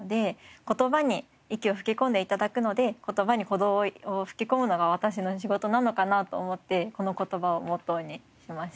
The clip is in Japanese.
言葉に息を吹き込んで頂くので言葉に鼓動を吹き込むのが私の仕事なのかなと思ってこの言葉をモットーにしました。